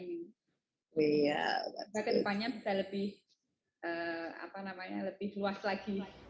bisa ke depannya bisa lebih luas lagi